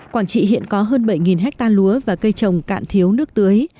quảng trị hiện có hơn bảy hectare lúa và cây trồng cạn thiếu nước tưới